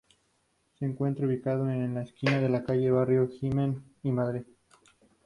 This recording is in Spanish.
Se encuentra ubicado en la esquina de calles Barrio Gimeno y Madrid.